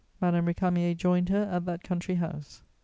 Madame Récamier joined her at that country house.